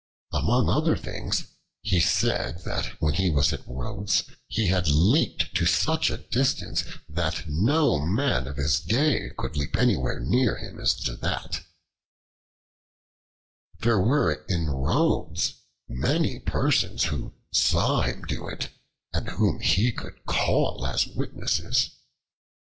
Among other things, he said that when he was at Rhodes he had leaped to such a distance that no man of his day could leap anywhere near him as to that, there were in Rhodes many persons who saw him do it and whom he could call as witnesses.